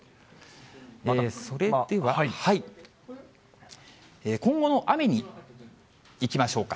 それでは、今後の雨にいきましょうか。